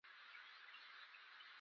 سر یې ګرځېدلی وو د جنوب پر لور لاړ.